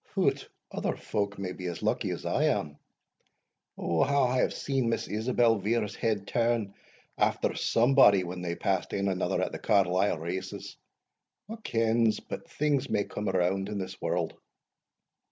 "Hout, other folk may be as lucky as I am O how I have seen Miss Isabel Vere's head turn after somebody when they passed ane another at the Carlisle races! Wha kens but things may come round in this world?"